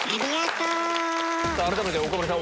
改めて岡村さん